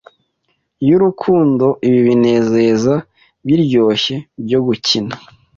yurukundo ibi binezeza biryoshye byo gukina